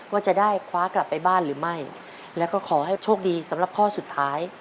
ว่าจะได้คว้ากลับไปบ้านหรือไม่แล้วก็ขอให้โชคดีสำหรับข้อสุดท้าย